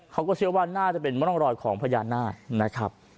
เขาก็เชื่อว่าน่าจะเป็นร่องรอยของพญานาคนะครับ